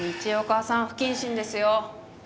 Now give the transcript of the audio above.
道岡さん不謹慎ですよ。